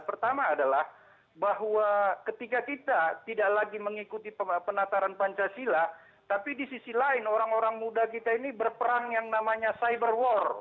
pertama adalah bahwa ketika kita tidak lagi mengikuti penataran pancasila tapi di sisi lain orang orang muda kita ini berperang yang namanya cyber war